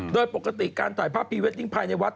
โดยปกติการถ่ายภาพพรีเวดดิ้งภายในวัด